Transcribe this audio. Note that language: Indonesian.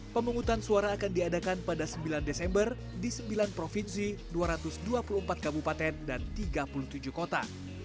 pemungutan suara akan diadakan pada sembilan desember di sembilan provinsi dua ratus dua puluh empat kabupaten dan tiga puluh tujuh kota